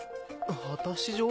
果たし状？